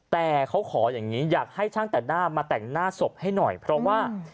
แต่เขาขออย่างนี้อยากให้ช่างแต่งหน้ามาแต่งหน้าศพให้หน่อยเพราะว่า